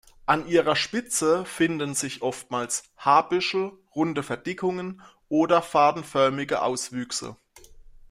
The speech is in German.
An ihrer Spitze finden sich oftmals Haarbüschel, runde Verdickungen oder fadenförmige Auswüchse.